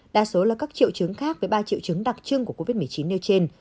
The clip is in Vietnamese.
đa số là các triệu chứng khác với ba triệu chứng đặc trưng của covid một mươi chín nêu trên